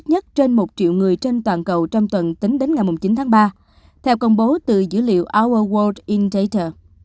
chết nhất trên một triệu người trên toàn cầu trong tuần tính đến ngày chín tháng ba theo công bố từ dữ liệu our world in data